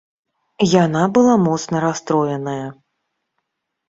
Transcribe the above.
Яна была моцна расстроеная.